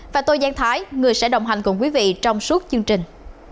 và tô giang thái người sẽ đồng hành cùng quý vị trong suốt chương trình